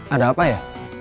ada apa ya